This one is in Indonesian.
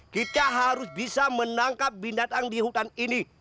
kita harus bisa menangkap binatang di hutan ini